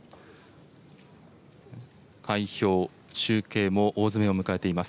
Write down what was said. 開票、集計も大詰めを迎えています。